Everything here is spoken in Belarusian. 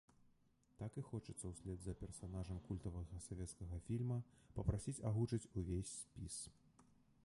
Так і хочацца ўслед за персанажам культавага савецкага фільма папрасіць агучыць увесь спіс.